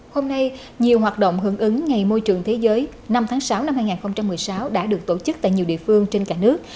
hôm nay nhiều hoạt động hưởng ứng ngày môi trường thế giới năm tháng sáu năm hai nghìn một mươi sáu đã được tổ chức tại nhiều địa phương trên cả nước